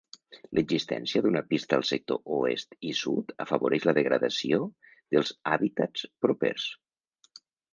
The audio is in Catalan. L'existència d'una pista al sector oest i sud afavoreix la degradació dels hàbitats propers.